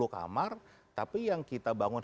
kamar tapi yang kita bangun